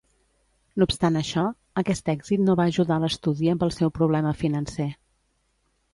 No obstant això, aquest èxit no va ajudar l'estudi amb el seu problema financer.